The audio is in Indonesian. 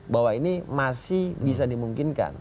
bahwa ini masih bisa dimungkinkan